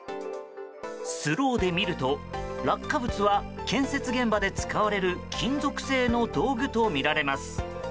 スローで見ると、落下物は建設現場で使われる金属製の道具とみられます。